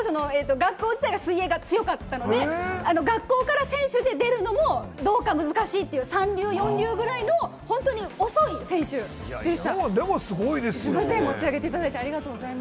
女子高だったんですけれども、当時の学校自体が、水泳が強かったので、学校から選手で出るのもどうか、難しいという三流、四流くらいの遅い選手でした。